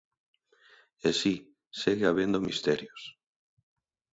E si, segue habendo misterios.